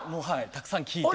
たくさん聞いて。